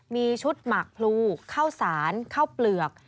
มีชุดหมากพลูข้าวสารข้าวเปลือก